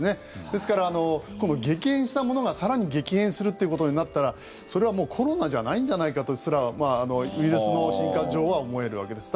ですから、激変したものが更に激変するということになったらそれはもうコロナじゃないんじゃないかとすらウイルスの進化上は思えるわけです。